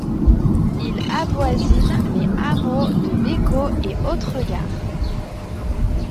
Il avoisine les hameaux de Becco et Hautregard.